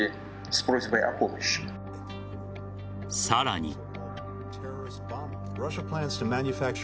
さらに。